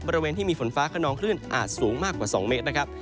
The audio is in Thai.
บริเวณที่มีฝนฟ้าขนองคลื่นอาจสูงมากกว่า๒เมตรนะครับ